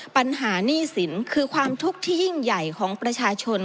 ปัญหาหนี้สินคือความทุกข์ที่ยิ่งใหญ่ของประชาชน